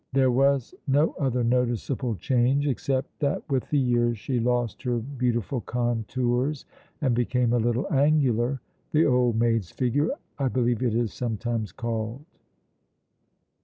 There was no other noticeable change, except that with the years she lost her beautiful contours and became a little angular the old maid's figure, I believe it is sometimes called.